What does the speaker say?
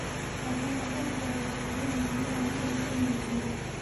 wafanyakazi waliyookolewa ni mia mbili kumi na mbili